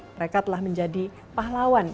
mereka telah menjadi pahlawan